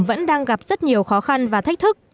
vẫn đang gặp rất nhiều khó khăn và thách thức